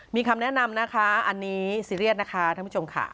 มีคำแนะนำนะคะอันนี้ซีเรียสนะคะท่านผู้ชมค่ะ